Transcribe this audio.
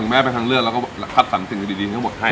แม่ไปทางเลือกแล้วก็คัดสรรสิ่งดีทั้งหมดให้